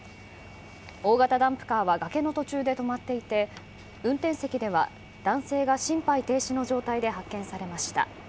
大型ダンプカーは崖の途中で止まっていて運転席では男性が心肺停止の状態で発見されました。